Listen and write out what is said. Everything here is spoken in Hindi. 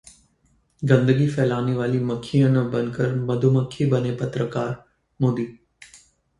गंदगी फैलाने वाली मक्खियां न बनकर मधुमक्खी बनें पत्रकार: मोदी